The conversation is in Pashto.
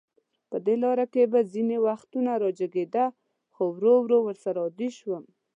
په لاره کې به ځینې وختونه راجګېده، خو ورو ورو ورسره عادي شوم.